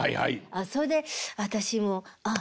それで私もああ